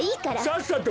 さっさと。